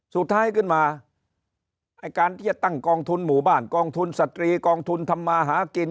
สุดท้ายขึ้นมาไอ้การที่จะตั้งกองทุนหมู่บ้านกองทุนสตรีกองทุนทำมาหากิน